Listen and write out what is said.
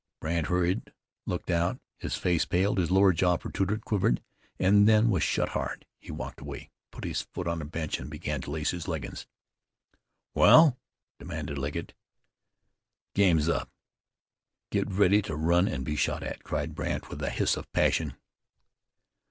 Brandt hurried, looked out. His face paled, his lower jaw protruded, quivered, and then was shut hard. He walked away, put his foot on a bench and began to lace his leggings. "Wal?" demanded Legget. "The game's up! Get ready to run and be shot at," cried Brandt with a hiss of passion.